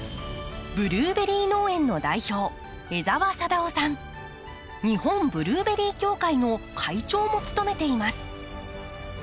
ブルーベリー農園の代表日本ブルーベリー協会の会長も務めています。